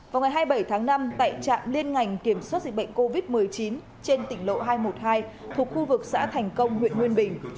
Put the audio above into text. vào ngày hai mươi bảy tháng năm tại trạm liên ngành kiểm soát dịch bệnh covid một mươi chín trên tỉnh lộ hai trăm một mươi hai thuộc khu vực xã thành công huyện nguyên bình